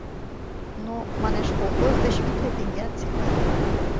Но, манеш, колхоз деч витле теҥгеат сита.